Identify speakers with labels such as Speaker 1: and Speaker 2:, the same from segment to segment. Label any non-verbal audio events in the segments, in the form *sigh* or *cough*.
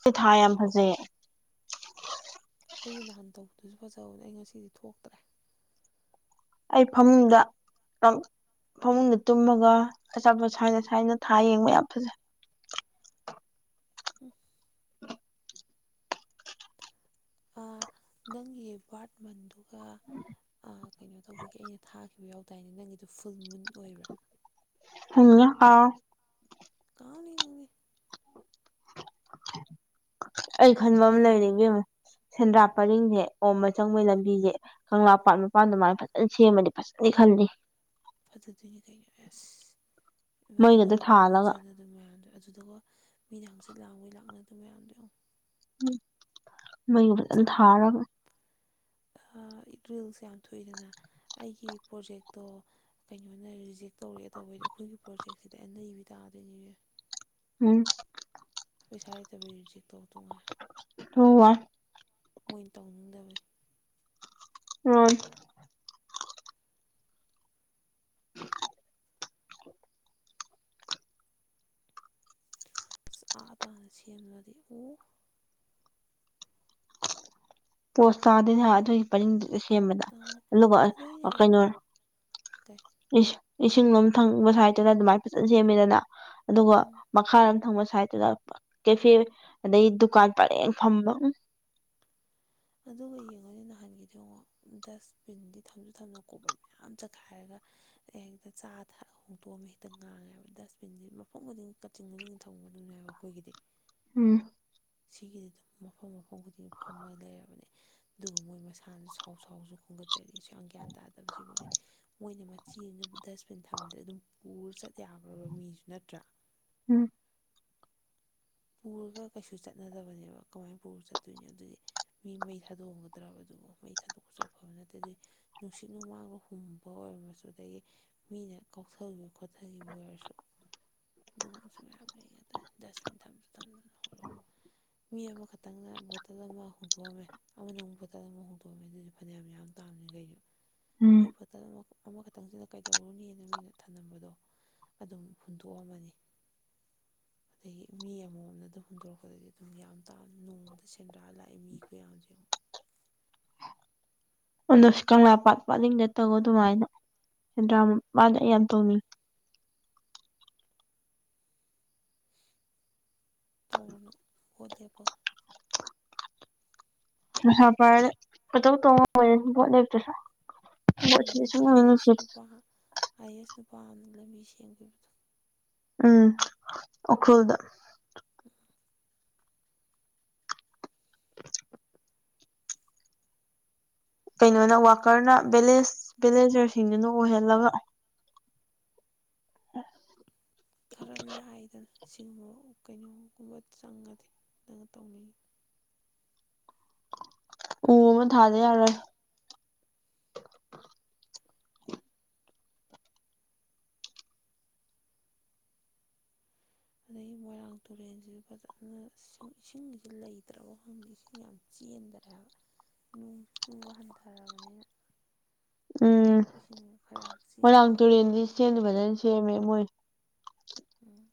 Speaker 1: ꯁꯤ ꯊꯥ ꯌꯥꯝ ꯐꯖꯩ
Speaker 2: ꯑꯩꯒꯤ ꯅꯍꯥꯟ ꯇꯧꯕꯗꯨꯁꯨ ꯐꯖꯕꯅꯦ ꯑꯩ ꯉꯁꯤꯗꯤ ꯊꯣꯛꯇ꯭ꯔꯦ
Speaker 1: ꯑꯩ ꯐꯝꯗ ꯐꯃꯨꯡꯗ ꯇꯨꯝꯃꯒ ꯑꯆꯥꯄꯣꯠ ꯁꯥꯏꯅ ꯁꯥꯏꯅ ꯊꯥ ꯌꯦꯡꯕ ꯌꯥꯝ ꯐꯖꯩ
Speaker 2: ꯎꯝ
Speaker 1: *unintelligible*
Speaker 2: ꯅꯪꯒꯤ ꯕꯥꯠꯃꯟꯗꯨꯒ ꯀꯩꯅꯣ ꯇꯧꯕꯒꯤ ꯑꯩꯅ ꯊꯥꯈꯤꯕ ꯌꯥꯎꯗꯥꯏꯅꯦ ꯅꯪꯒꯤꯗꯣ ꯐꯨꯜ ꯃꯨꯟ ꯑꯣꯏꯕ꯭ꯔꯥ
Speaker 1: ꯑ ꯑꯥ
Speaker 2: ꯀꯥꯅꯤ ꯀꯦ
Speaker 1: ꯑꯩ ꯈꯟꯕ ꯑꯃ
Speaker 2: ꯑꯩꯅ
Speaker 1: ꯂꯩꯅꯤꯡꯕꯃ ꯁꯦꯟꯗ꯭ꯔꯥꯛ ꯄꯔꯤꯡꯁꯦ ꯑꯣꯝꯕ ꯆꯪꯕꯩ ꯂꯝꯕꯤꯁꯦ ꯀꯪꯂꯥ ꯄꯥꯠ ꯃꯄꯥꯟꯗ ꯃꯥꯅ ꯐꯖꯅ ꯁꯦꯝꯃꯗꯤ ꯐꯖꯅ ꯗꯤ ꯈꯪꯅꯤ
Speaker 2: ꯐꯗꯗꯣꯏꯅꯦ ꯀꯩꯅꯣ ꯑꯦꯁ ꯑꯗꯨꯗ
Speaker 1: ꯃꯩꯒꯗ
Speaker 2: ꯋꯥꯋꯥꯛꯀꯤꯡꯒ
Speaker 1: ꯊꯥꯜꯂꯒ
Speaker 2: ꯆꯦꯟꯅꯗꯅ ꯃꯌꯥꯝꯗꯣ ꯑꯗꯨꯗꯨꯒ ꯃꯤꯅ ꯍꯥꯡꯆꯤꯠ ꯂꯥꯡꯕꯩ ꯂꯥꯛꯅ ꯑꯗꯨꯌꯥꯝꯗꯣ
Speaker 1: ꯎ ꯃꯣꯏ ꯐꯖꯅ ꯊꯥꯔꯒ
Speaker 2: ꯔꯤꯜꯁꯦ ꯌꯥꯝ ꯊꯣꯛꯏꯗꯅ ꯑꯩꯒꯤ ꯄ꯭ꯔꯣꯖꯦꯛꯇꯣ ꯀꯩꯅꯣꯅ ꯔꯤꯖꯦꯛ ꯇꯧ ꯇꯧꯔꯛꯦ ꯇꯧꯕꯦꯗ ꯑꯩꯈꯣꯏꯒꯤ ꯄ꯭ꯔꯣꯖꯦꯛꯁꯤꯗꯤ ꯑꯩꯅ ꯏꯕꯤ ꯇꯥꯗꯣꯏꯅꯤꯅꯦꯦ
Speaker 1: ꯎꯝ
Speaker 2: ꯄꯩꯁꯥꯏꯗꯕ ꯇꯧꯣ
Speaker 1: ꯍ ꯋꯥ
Speaker 2: ꯃꯣꯏꯅ ꯇꯧꯅꯤꯡꯗꯕꯅꯤ
Speaker 1: ꯎꯝ ꯎ
Speaker 2: ꯑꯥ ꯇꯥꯅ ꯁꯦꯝꯂꯒꯗꯤ ꯎ
Speaker 1: ꯄꯣꯁꯇꯥꯗ ꯌꯥꯗ ꯄ ꯁꯦꯝꯕꯗ
Speaker 2: ꯇꯥꯗꯦ
Speaker 1: ꯑꯗꯨꯒ
Speaker 2: ꯑꯗꯣ ꯑꯩꯅ ꯍꯥꯏ
Speaker 1: ꯀꯩꯅꯣ
Speaker 2: ꯀꯩ
Speaker 1: ꯏꯁꯤꯡꯂꯣꯝ ꯊꯪꯕꯁꯨ ꯍꯥꯏꯗꯅ ꯑꯗꯨꯃꯥꯏꯅ ꯐꯖꯅ ꯁꯦꯝꯃꯤꯗꯅ ꯑꯗꯨꯒ
Speaker 2: ꯎꯝ
Speaker 1: ꯃꯈꯥ ꯑꯃꯣꯝ ꯊꯪꯕ ꯁꯠꯇꯨꯗ ꯀꯦꯐꯦ ꯑꯗꯩ ꯗꯨꯀꯥꯟ ꯄꯔꯦꯡ ꯐꯝꯕ
Speaker 2: ꯑꯗꯨꯒ ꯌꯦꯡꯉꯨꯅꯦ ꯅꯍꯥꯟꯒꯤ
Speaker 1: *unintelligible*
Speaker 2: ꯗꯁꯕꯤꯟꯗꯤ ꯊꯝꯁꯨ ꯊꯝꯅ ꯀꯣꯕꯔ ꯃꯌꯥꯝ ꯆꯈꯥꯏꯔꯒ ꯑꯩ ꯍꯦꯛꯇ ꯆꯥ ꯍꯣꯡꯗꯣꯛꯑꯝꯃꯦ ꯍꯦꯛꯇ ꯉꯥꯡꯉꯦꯕ ꯗꯁꯕꯤꯟꯁꯦ ꯃꯐꯝ ꯈꯨꯗꯤꯡꯒꯤ ꯀꯛꯆꯤꯡ ꯈꯨꯗꯤꯡꯒꯤ ꯊꯪꯗꯨꯅꯦꯕ ꯑꯩꯈꯣꯏꯒꯤꯗꯤ
Speaker 1: ꯎꯝ
Speaker 2: ꯁꯤꯒꯤꯗꯤ ꯑꯗꯨꯝ ꯃꯐꯝ ꯃꯐꯝ ꯈꯨꯗꯤꯡ ꯐꯝꯃ ꯂꯩꯔꯕꯅꯦ ꯑꯗꯨꯒ ꯃꯣꯏ ꯃꯁꯥꯅꯁꯨ ꯁꯥꯎ ꯁꯥꯎꯁꯨ ꯈꯣꯒꯠꯆꯔꯤ ꯁꯁꯨ ꯌꯥꯝ ꯒ꯭ꯌꯥꯟ ꯇꯥꯗꯕꯕꯁꯤꯕꯨꯑ ꯃꯣꯏꯅ ꯃꯆꯦ ꯑꯃ ꯗꯁꯕꯤꯟ ꯊꯝꯗ꯭ꯔ ꯑꯗꯨꯝ ꯄꯨ ꯁꯠ ꯌꯥꯈ꯭ꯔꯕ ꯃꯤꯁꯨ ꯅꯠꯇ꯭ꯔꯥ
Speaker 1: ꯎꯝ
Speaker 2: ꯄꯨꯔꯒ ꯀꯩꯁꯨ ꯆꯠꯅꯗꯕꯅꯦꯕ ꯀꯃꯥꯏꯅ ꯄꯨꯔ ꯆꯠꯇꯣꯏꯅꯣ ꯑꯗꯨꯗꯤ ꯃꯤ ꯃꯩ ꯊꯥꯗꯣꯛꯑꯒꯗ꯭ꯔꯕꯗ ꯃꯩ ꯊꯥꯗꯣꯛꯄꯁꯨꯐꯕ ꯅꯠꯇꯦ ꯑꯗꯨꯗꯤ ꯅꯨꯡꯁꯤꯠ ꯅꯨꯡꯃꯥꯡꯕ ꯍꯨꯝꯕ ꯑꯣꯏꯔ ꯃꯁꯨꯨ ꯑꯗꯒꯤ ꯃꯤꯅ ꯀꯧꯊꯜꯒꯤ ꯈꯣꯠꯊꯈꯤꯕ ꯑꯣꯏꯔꯁꯨ
Speaker 1: *inaudible*
Speaker 2: ꯑꯗꯨꯒꯁꯨ ꯃꯌꯥꯝ ꯂꯩꯉꯗ ꯗꯁꯕꯤꯟ ꯊꯝꯁꯨ ꯊꯝꯅꯂꯛ ꯃꯤ ꯑꯃꯈꯛꯇꯪꯅ ꯕꯣꯇꯜ ꯑꯃ ꯍꯨꯟꯗꯣꯛꯑꯝꯃꯦ ꯑꯃꯅ ꯑꯃꯨꯛ ꯕꯣꯇꯜ ꯑꯃ ꯍꯨꯟꯗꯣꯛꯑꯝꯃꯦ ꯑꯗꯨꯗꯤ ꯐꯅꯌꯥꯝ ꯌꯥꯝꯗ꯭ꯔꯦ
Speaker 1: *inaudible*
Speaker 2: ꯑꯩ ꯕꯣꯇꯜ ꯑꯃ ꯑꯃꯈꯛꯇꯪꯁꯤꯅ ꯀꯩꯗꯧꯔꯨꯅꯤꯅ ꯃꯤꯅ ꯊꯝꯂꯝꯕꯗꯣ ꯑꯗꯨꯝ ꯍꯨ ꯇꯣꯛꯑꯝ ꯑꯃꯅꯤ ꯑꯗꯒꯤ ꯃꯤ ꯑꯃꯃꯝꯅ ꯑꯗꯨꯝ ꯍꯨꯟꯗꯣꯔꯛꯄꯗꯗꯤ ꯑꯗꯨꯝ ꯌꯥꯝ ꯇ ꯅꯣꯡꯃꯗ ꯁꯦꯟꯗ꯭ꯔꯥ ꯂꯥꯛꯑꯦ ꯃꯤ ꯀꯌꯥꯝꯁꯨꯦ ꯑꯃꯨ
Speaker 1: *inaudible* ꯑꯗꯁꯨ ꯀꯪꯂꯥ ꯄꯥꯠ ꯄꯥꯠꯂꯤꯡꯗ ꯇꯒꯣ ꯑꯗꯨꯃꯥꯏꯅ ꯃꯥ ꯌꯥꯟ ꯇꯣꯃꯤꯅꯤ
Speaker 2: ꯇꯧꯅ ꯜꯂꯤꯕꯣꯜ
Speaker 1: ꯀ ꯇꯉꯣ ꯇꯁ
Speaker 2: ꯀꯩꯅꯣꯒꯤꯗꯤ ꯑꯥꯏ ꯑꯦꯁ ꯅꯨꯄꯥ ꯑꯥꯏ ꯑꯦꯁ ꯅꯨꯄꯥꯅ ꯂꯝꯕꯤ ꯁꯦꯝꯈꯤꯕꯗꯣ
Speaker 1: ꯎꯝ ꯎꯈ꯭ꯔꯨꯜꯗ ꯀꯩꯅꯣꯅ
Speaker 2: ꯈꯔ
Speaker 1: ꯋꯥꯀꯔꯅ ꯚꯦꯂꯦꯖ ꯚꯤꯂꯦꯖꯔꯁꯤꯡꯗꯨꯅ ꯑꯣꯏꯍꯜꯂꯒ ꯎ
Speaker 2: ꯈꯔ ꯂꯥꯏꯗꯅ ꯑꯁꯤꯒꯨꯝꯕ ꯀꯩꯅꯣꯒꯨꯝꯕ ꯆꯪꯉꯗꯤ ꯅꯪ ꯇꯧꯅꯤꯡꯉꯤ
Speaker 1: ꯎ ꯃ ꯊꯥꯗꯦ ꯌꯥꯔ
Speaker 2: ꯑꯗꯩ ꯃꯣꯏꯔꯥꯡ ꯇꯨꯔꯦꯟꯁꯤ ꯐꯖꯅ ꯏꯁꯤꯡꯁꯤ ꯂꯩꯇ꯭ꯔꯕ ꯈꯪꯗ ꯏꯁꯤꯡ ꯌꯥꯝ ꯆꯦꯟꯊꯔꯦ ꯍꯥꯏꯕ ꯅꯣꯡ ꯆꯨꯕ ꯍꯟꯊꯔꯕꯅꯤꯅ
Speaker 1: ꯎꯝ
Speaker 2: ꯏꯁꯤꯡ ꯈꯔ ꯌꯥꯝ ꯆꯦꯜꯂꯗꯤ
Speaker 1: ꯃꯣꯏꯔꯥꯡ
Speaker 2: ꯌꯦꯡꯉꯣ
Speaker 1: ꯇꯨꯔꯦꯟꯗꯤ ꯁꯦꯝꯗ ꯐꯖꯅ ꯁꯦꯝꯃꯦ ꯃꯣꯏꯦ
Speaker 2: ꯎꯝ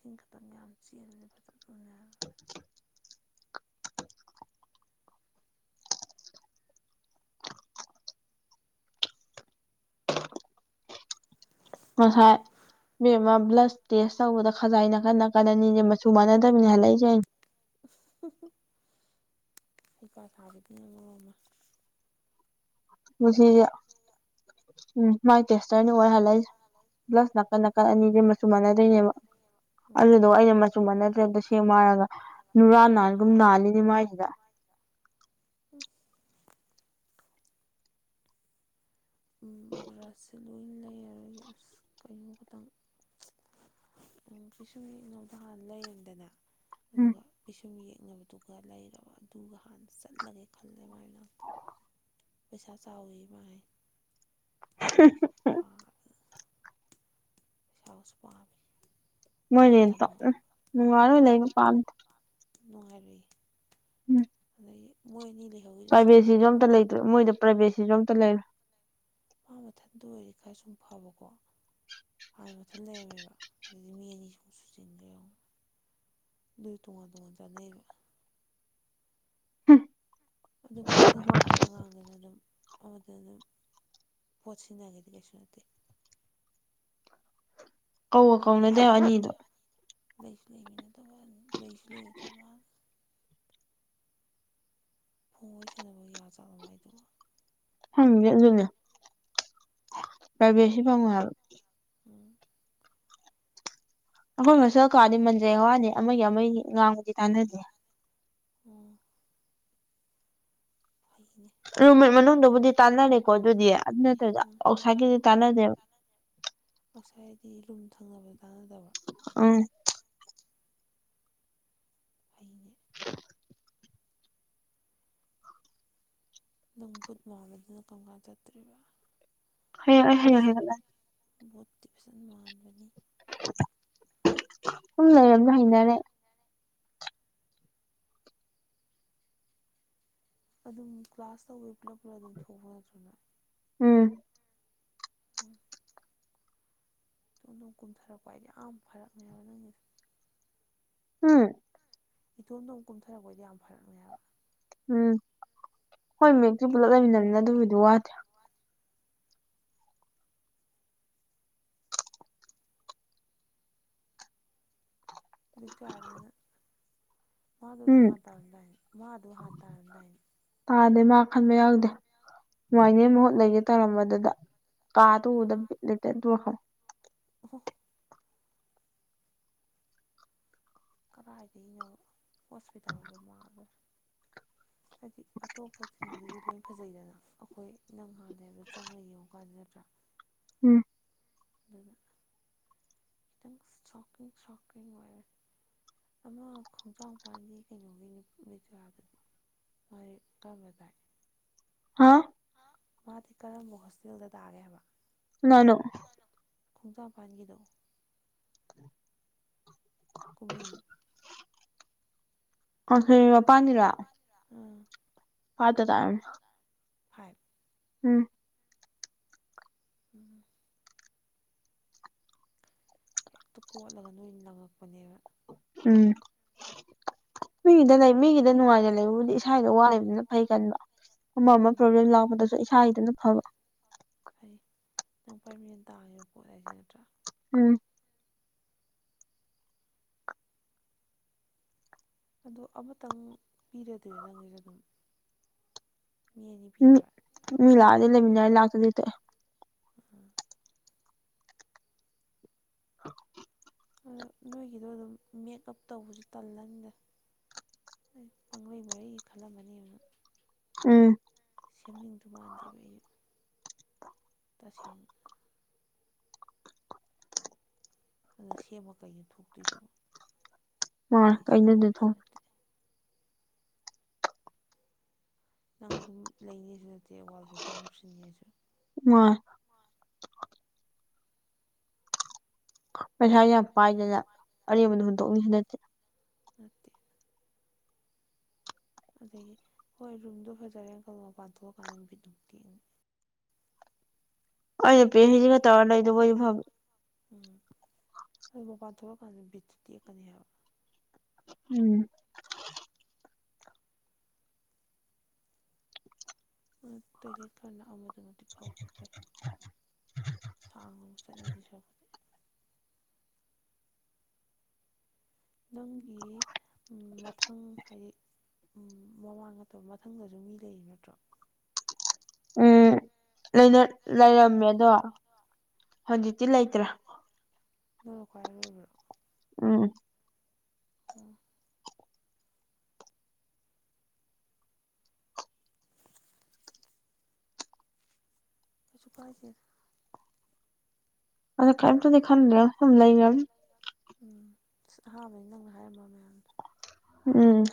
Speaker 2: ꯀ ꯃꯇꯝ ꯆ
Speaker 1: ꯑꯁꯥꯏ ꯃꯦꯝꯃ ꯕ꯭ꯂꯁ ꯇꯦꯁ ꯇꯧꯕꯗ ꯈꯖꯥꯏꯅ ꯀꯟꯅ ꯀꯟꯅꯅꯤꯁꯦ ꯃꯆꯨ ꯃꯥꯟꯅꯗꯕꯅꯤ ꯍꯜꯂꯛꯏꯁꯦ ꯑꯩꯅ
Speaker 2: ꯍꯩꯄꯥ ꯁꯥꯕꯗꯤꯅ ꯃꯣꯡꯃ
Speaker 1: ꯍꯧ ꯎꯝ ꯃꯥꯏ ꯇꯦꯁꯇꯔꯅꯤ ꯑꯣꯏꯍꯜꯂ ꯄ꯭ꯂꯁ ꯅꯥꯀꯟ ꯅꯥꯀꯟ ꯑꯅꯤꯁꯤ ꯃꯆꯨ ꯃꯥꯟꯅꯗꯣꯏꯅꯦꯕ
Speaker 2: ꯑꯃ
Speaker 1: ꯑꯗꯨꯗꯣ ꯑꯩꯅ ꯃꯆꯨꯝ ꯃ ꯅꯠꯇ꯭ꯔꯦꯛꯇ ꯁꯦꯝꯃꯔꯒ ꯅꯨꯨꯔꯥꯟ ꯅꯥꯟꯒꯨꯝ ꯅꯥꯜꯂꯤꯅꯦ ꯃꯥꯏꯁꯤꯗ
Speaker 2: ꯎ ꯕ꯭ꯔꯁꯁꯦ ꯂꯣꯏ ꯂꯩꯔꯔꯗꯤ ꯑꯁ ꯀꯩꯅꯣ ꯈꯇꯪ ꯎꯝ ꯀꯩꯁꯨꯝ ꯌꯦꯅꯗ ꯍꯥꯟꯅ ꯂꯩꯔꯝꯗꯅ
Speaker 1: ꯎꯝ
Speaker 2: ꯑꯗꯨꯒ ꯄꯩꯁꯨꯝꯒꯤ ꯆꯪꯅꯕꯗꯨꯒ ꯂꯩꯔꯕ ꯑꯗꯨꯒ ꯍꯥꯟꯅ ꯆꯠꯂꯒꯦ ꯈꯜꯂꯦ ꯃꯥꯏꯅꯥꯛꯇ ꯄꯩꯁꯥ ꯆꯥꯎꯋꯤ ꯃꯥꯥꯏ
Speaker 1: *unintelligible*
Speaker 2: ꯁꯁꯨ ꯄꯥꯝꯃꯤ ꯃꯥ
Speaker 1: ꯃꯣꯏꯔꯇꯣ ꯎ
Speaker 2: ꯇꯝꯃꯒ
Speaker 1: ꯅꯨꯡꯉꯔꯣꯏ ꯂꯩꯕ ꯄꯥꯝꯗ
Speaker 2: ꯅꯨꯡꯉꯥꯏꯔꯛꯏ
Speaker 1: ꯎꯝ
Speaker 2: ꯃꯣꯏꯅꯤ
Speaker 1: ꯄ꯭ꯔꯥꯏꯚꯦꯠꯁꯤꯁꯨ ꯑꯝꯇ ꯂꯩꯇ꯭ꯔꯦ ꯃꯣꯏꯗ ꯄ꯭ꯔꯥꯏꯚꯦꯠꯁꯤꯁꯨ ꯑꯝꯇ ꯂꯩꯔꯦ
Speaker 2: ꯑꯄꯥ ꯃꯊꯟꯗ ꯑꯣꯏꯔ ꯈꯔ ꯁꯨꯝ ꯐꯕꯀꯣ ꯑꯥ ꯃꯊꯟ ꯂꯩꯃꯦꯕ ꯑꯗꯨꯗꯤ ꯃꯤ ꯑꯅꯤ ꯁ ꯁꯨ ꯆꯟꯈꯦ ꯅꯨ ꯇꯨꯡꯉꯥꯟ ꯇꯣꯡꯉꯥꯟ ꯆꯅꯩꯔ ꯑꯗꯨꯝ ꯃꯥꯆꯈꯤ ꯀꯥꯟꯅ ꯑꯉꯥꯡꯗꯨꯅ ꯑꯗꯨꯝ ꯑꯗꯨꯗ ꯑꯗꯨ ꯄꯣꯠꯁꯤꯟꯅꯒꯦꯗꯤꯒꯦꯁꯨ ꯅꯠꯇꯦ
Speaker 1: ꯀꯧ ꯀꯧꯅꯗꯦ
Speaker 2: ꯂꯩꯁꯨ
Speaker 1: ꯑꯅꯤꯗꯣ
Speaker 2: ꯂꯩꯁꯨ ꯂꯩꯃꯤꯅ ꯇꯧꯕ ꯂꯩꯁꯨ ꯂꯩꯔꯗꯕ ꯃꯥ ꯐꯣꯡꯑꯣꯏ ꯁꯦꯅꯕ ꯌꯥ ꯆꯠ ꯅꯨꯡꯉꯥꯏꯗꯣꯛꯑꯣ
Speaker 1: ꯍꯪ ꯑꯗꯨꯅ ꯄꯥꯏ ꯦꯁꯤꯤ ꯐꯉꯜ
Speaker 2: ꯎꯝ
Speaker 1: ꯑꯩꯈꯣꯏ ꯃꯆꯦꯜ ꯀꯥꯗꯤ ꯃꯟꯖꯩ ꯋꯥꯅꯤ ꯑꯃꯒꯤ ꯑꯃꯒꯤ ꯉꯥꯡꯕꯗꯤ ꯇꯥꯟꯅꯗꯦ
Speaker 2: ꯎ ꯐ
Speaker 1: ꯔꯨꯝꯃꯤꯠ ꯃꯅꯨꯡꯗꯕꯨꯗꯤ ꯇꯥꯟꯅꯔꯦꯀꯣ ꯑꯗꯨꯗꯤ ꯑꯗꯨ ꯅꯠꯇ꯭ꯔꯗ
Speaker 2: ꯎꯝ
Speaker 1: ꯑꯥꯎꯁꯥꯏꯠꯒꯤꯗꯤ ꯇꯥꯟꯅꯗꯦꯕ
Speaker 2: ꯑꯥꯎꯠꯁꯥꯏꯗꯤ ꯂꯨꯝ ꯊꯪꯅꯕ ꯇꯥꯟꯅꯗꯕ
Speaker 1: ꯎꯝ
Speaker 2: ꯍꯥꯏꯅꯦ ꯅꯪ ꯕꯨꯠ ꯃꯥꯜꯂꯗꯅ ꯀꯪꯂꯥ ꯆꯠꯇ꯭ꯔꯤꯕ
Speaker 1: ꯍꯣꯏ ꯍ ꯍꯣꯏ ꯍꯒꯠꯂ
Speaker 2: ꯣꯠꯇꯗꯤꯤ ꯐꯖꯅ ꯃꯥꯟꯕꯅꯤ
Speaker 1: ꯁꯨꯝ ꯂꯩꯔꯝꯗ ꯍꯩꯅꯔꯦ
Speaker 2: ꯑꯗꯨꯝ ꯀ꯭ꯂꯥꯁ ꯇꯧꯕꯋꯤ ꯄꯨꯂꯞ ꯄꯨꯂꯞ ꯑꯗꯨꯝ ꯊꯣꯛꯄ ꯅꯠꯇ꯭ꯔꯅ
Speaker 1: ꯎꯝ
Speaker 2: ꯎꯝ ꯏꯇꯣꯡ ꯑꯗꯨꯣꯡ ꯀꯨꯝꯊꯔꯛꯄ ꯍꯥꯏꯗꯤ ꯌꯥꯝ ꯐꯔꯛꯅꯦꯕ ꯅꯪꯒꯤꯁꯦ
Speaker 1: ꯎꯝ
Speaker 2: ꯏꯇꯣꯟꯝꯗꯣ ꯑꯃꯛ ꯀꯨꯝꯊꯔꯛꯄꯩꯗꯤ ꯌꯥꯝ ꯐꯔꯛꯃꯦꯕ
Speaker 1: ꯎꯝ ꯍꯣꯏ ꯃꯦꯛꯇꯤ ꯄꯨꯂꯞ ꯂꯩꯃꯤꯟꯅꯃꯤꯅ ꯑꯗꯨꯕꯨꯗꯤ ꯋꯥꯗ꯭ꯔꯦ
Speaker 2: ꯅ ꯃꯥꯗꯨꯁꯨ
Speaker 1: ꯎꯝ
Speaker 2: ꯍ ꯇꯔꯝꯗꯥ ꯃꯥꯗꯨ ꯍꯥꯟꯊꯔꯝꯗꯥꯏ
Speaker 1: ꯇꯥꯗꯦ ꯃꯥ ꯈꯟꯕ ꯌꯥꯎꯗꯦ ꯥꯏꯅꯦ
Speaker 2: ꯎꯝ
Speaker 1: ꯃꯍꯨꯠ ꯂꯩꯒꯦ ꯇꯧꯔꯝꯕꯗꯨꯗ ꯀꯥ ꯇꯗ ꯕꯤꯠ ꯂꯤꯇꯦ ꯇ
Speaker 2: ꯍ ꯀꯗꯥꯏꯗꯒꯤꯩꯅꯣ ꯍꯣꯁꯄꯤꯇꯥꯜꯐ ꯃꯥꯥꯡꯂꯣꯏ
Speaker 1: *unintelligible*
Speaker 2: ꯍꯥꯏꯗꯤ ꯑꯇꯣꯞꯄꯁꯤꯡꯗꯨꯗꯤ ꯂꯣꯏ ꯐꯖꯩꯗꯅ ꯑꯩꯈꯣꯏ ꯅꯪ ꯍꯥꯟꯗꯦ ꯍꯥꯏꯕꯗꯣ ꯆꯪꯉꯒ ꯌꯦꯡꯉꯨꯀꯥꯟꯗ ꯅꯠꯇ꯭ꯔꯥ
Speaker 1: ꯎꯝ
Speaker 2: ꯑꯗꯨꯗ ꯈꯤꯇꯪ ꯁꯀꯤ ꯁꯣꯛꯀꯤꯡ ꯑꯣꯏꯔꯔ ꯑꯃ ꯈꯣꯡꯆꯥꯡ ꯃꯄꯥꯟꯗꯤ ꯀꯩꯅꯣꯒꯤꯅꯤ ꯕꯤꯖꯣꯔꯥꯗꯗꯤ ꯍꯣꯏꯀꯗꯥ
Speaker 1: ꯍꯥ
Speaker 2: ꯃꯥꯗꯤ ꯀꯔꯝꯕ ꯍꯣꯁꯇꯦꯜꯗ ꯇꯥꯛꯑꯒꯦ ꯍꯥꯏꯕ
Speaker 1: ꯅꯅꯣ
Speaker 2: ꯈꯣꯡꯖ ꯄꯥꯟꯒꯤꯗꯣ ꯀꯕꯤ
Speaker 1: ꯑꯁ ꯃ ꯄꯥꯟꯅꯤꯔ
Speaker 2: ꯎꯝ
Speaker 1: ꯄꯥꯇ ꯇꯥꯔ
Speaker 2: ꯐꯥꯏꯚ
Speaker 1: ꯎꯝ
Speaker 2: ꯎꯝ ꯍꯦꯛꯇ ꯀꯣꯠꯂꯒ ꯅꯣꯏ ꯂꯪꯉꯛꯄꯅꯦꯕ
Speaker 1: ꯎꯝ ꯃꯤꯒꯤꯗ ꯂꯩ ꯃꯤꯒꯤꯗ ꯅꯨꯡꯉꯥꯏꯅ ꯂꯩꯕꯕꯨꯗꯤ ꯏꯁꯥꯗ ꯋꯥꯂꯤꯕꯅꯤꯅ ꯐꯩ ꯀꯟꯕ ꯑꯃ ꯑꯃ
Speaker 2: ꯎꯝ
Speaker 1: ꯄ꯭ꯔꯣꯕ꯭ꯂꯦꯝ ꯂꯥꯛꯄꯗꯁꯨ ꯏꯁꯥꯒꯤꯗꯅ ꯐꯕ
Speaker 2: ꯐꯩ ꯅꯪ ꯄꯥꯔꯃꯤꯁꯟ ꯇꯥꯡ *inaudible* ꯄꯣꯠ ꯍꯥꯏꯁꯦ ꯅꯠꯇ꯭ꯔꯥ
Speaker 1: ꯎꯝ
Speaker 2: ꯑꯗꯣ ꯑꯃꯇꯪ ꯄꯤꯔꯗꯣꯏꯔꯣ ꯅꯪꯒꯤꯁꯦ ꯑꯗꯨꯝ ꯃꯤ ꯑꯅꯤ ꯄꯤꯔꯔꯣꯏ
Speaker 1: ꯃꯤ ꯂꯥꯛꯑꯗꯤ ꯂꯩꯃꯤꯟꯅꯔꯦ ꯂꯥꯛꯇꯗꯤ ꯇꯣꯛꯑꯦ *unintelligible*
Speaker 2: ꯑ ꯅꯣꯏꯒꯤꯗꯣ ꯑꯗꯨꯝ ꯃꯦꯛꯑꯞ ꯇꯧꯕꯁꯨ ꯇꯜꯂꯅꯤꯗ ꯄꯪꯂꯩ ꯃꯔꯩꯒꯦ ꯈꯜꯂꯝꯃꯅꯤꯕ ꯅꯪ
Speaker 1: ꯎꯝ
Speaker 2: ꯁꯦꯝꯅꯤꯡꯗꯧ ꯃꯥꯟꯗꯦꯕ ꯑꯩꯁꯨ ꯇꯁꯦꯡꯅ ꯑꯗ ꯁꯦꯝꯕ ꯀꯩꯩꯅꯣ ꯊꯣꯛꯇꯣꯏꯁꯤꯕꯣ
Speaker 1: ꯃꯥ ꯀꯩꯅꯣ ꯗꯊꯣ
Speaker 2: ꯅꯪ ꯑꯗꯨꯝ ꯂꯩꯅꯤꯁꯨ ꯅꯠꯇꯦ ꯋꯥꯜ ꯄꯦꯄꯔ ꯅꯞꯁꯤꯟꯒꯦꯁꯨ
Speaker 1: ꯑ ꯄꯩꯁꯥ ꯌꯥꯝ ꯄꯥꯏꯗꯅ ꯑꯔꯦꯝꯕꯗ ꯍꯨꯟꯗꯣꯛ ꯅꯤꯁꯨ ꯅꯠꯇꯦ
Speaker 2: ꯑꯠꯇꯦ ꯑꯗꯒꯤ ꯍꯣꯏ ꯔꯨꯝꯗꯣ ꯐꯖꯔꯦꯅ ꯀꯜꯂꯣ ꯃꯄꯥꯟꯊꯣꯛꯑꯀꯥꯟꯗ ꯕꯤꯠ ꯑꯃꯨꯛ ꯇꯦꯛꯑꯅꯤ
Speaker 1: *inaudible*
Speaker 2: ꯑꯗꯨꯅꯦ ꯕꯤꯠꯁꯨ ꯇꯦꯛꯀꯅꯤ ꯍꯥꯏꯕ
Speaker 1: ꯎꯝ
Speaker 2: ꯎꯝ ꯇꯣꯏꯂꯦꯠ ꯈꯔ ꯅꯛꯑꯝꯃꯗꯤ
Speaker 1: *unintelligible*
Speaker 2: ꯆꯠꯂꯗꯤ *inaudible* ꯅꯪꯒꯤ ꯃꯊꯪ ꯍꯥꯏꯗꯤ ꯎꯝ ꯃꯃꯥꯡ ꯅꯠꯇꯕ ꯃꯊꯪꯗꯁꯨ ꯃꯤ ꯂꯩꯔꯤ ꯅꯠꯇ꯭ꯔꯣ
Speaker 1: ꯎꯝ ꯂꯩꯔꯛ ꯂꯩꯔꯝꯃꯦ ꯑꯗꯣ ꯍꯧꯖꯤꯛꯇꯤ ꯂꯩꯇ꯭ꯔꯦ
Speaker 2: ꯑꯪꯅ ꯈꯋꯥꯏ ꯑꯔꯣꯏꯕꯔꯣ
Speaker 1: ꯎꯝ
Speaker 2: ꯑꯣ ꯀꯩꯁꯨ ꯀꯥꯏꯗꯦꯗ
Speaker 1: ꯑꯗꯣ ꯀꯤꯝꯇꯗꯤ ꯈꯟꯗ꯭ꯔꯦꯗ ꯁꯨꯝ ꯂꯩꯔꯕꯅꯤꯅ
Speaker 2: ꯎꯝ ꯑꯁ ꯑꯍꯥꯟꯕꯗꯤ ꯅꯪꯅ ꯍꯥꯏꯔꯝꯕ ꯃꯌꯥꯝꯗꯣ
Speaker 1: ꯎꯝ